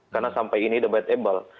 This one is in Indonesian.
karena sampai ini debatable